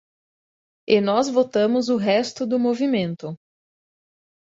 E nós votamos o resto do movimento.